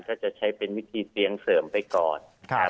ก็จะใช้เป็นวิธีเตียงเสริมไปก่อน